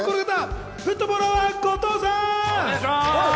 フットボールアワー後藤さん！